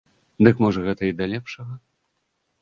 Дык можа гэта і да лепшага?